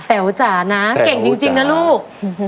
แตวจานะเก่งจริงจริงจริงนะลูก